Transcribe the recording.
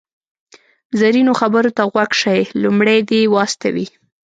زرینو خبرو ته غوږ شئ، لومړی دې و استوئ.